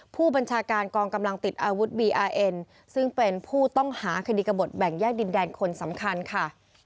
ผู้บัญชาการกองกำลังติดอาวุธบีอาร์เอ็นซึ่งเป็นผู้ต้องหาคดีกระบดแบ่งแยกดินแดนคนสำคัญค่ะ